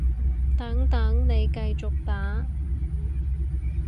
等等，你繼續打